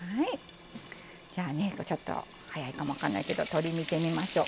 じゃあねちょっと早いかもわからないけど鶏見てみましょう。